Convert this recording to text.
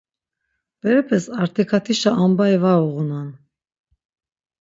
Berepes artikatişa ambayi var uğunan.